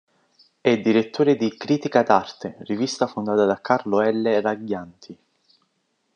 È direttore di "Critica d'Arte", rivista fondata da Carlo L. Ragghianti.